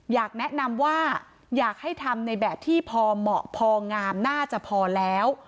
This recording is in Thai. อยากแนะนำว่าอยากให้ทำในแบบที่พอเหมาะพองามน่าจะพอแล้ว